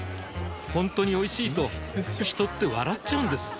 ほんとにおいしいと人って笑っちゃうんです